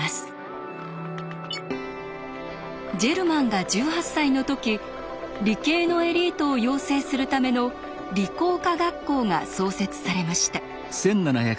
ジェルマンが１８歳の時理系のエリートを養成するための「理工科学校」が創設されました。